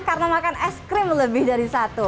karena makan ice cream lebih dari satu